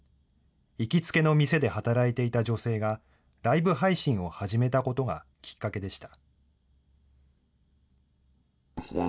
行きつけの店で働いていた女性が、ライブ配信を始めたことがきっかけでした。